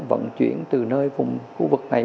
vận chuyển từ nơi khu vực này